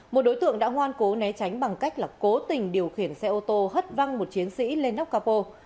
một đối tượng đã ngoan cố né tránh bằng cách là cố tình điều khiển xe ô tô hất văng một chiến sĩ lên nóc capo